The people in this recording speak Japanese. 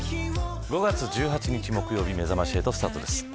５月１８日木曜日めざまし８スタートです。